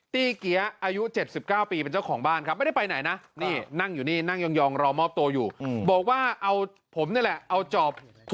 ตี้เกี๊ยะอายุ๗๙ปีเป็นเจ้าของบ้านครับ